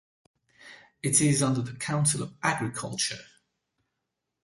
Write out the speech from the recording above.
It is under the Council of Agriculture.